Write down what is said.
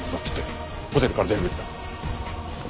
ホテルから出るべきだ。